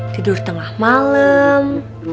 tidur tengah malem